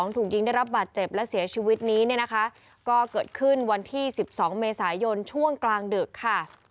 ถูกยิงได้รับบาดเจ็บและเสียชีวิตนี้เนี่ยนะคะก็เกิดขึ้นวันที่๑๒เมษายนช่วงกลางดึกค่ะ